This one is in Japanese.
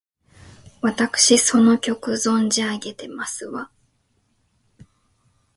わたくしその曲、存じ上げてますわ！